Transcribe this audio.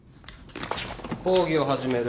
・講義を始める。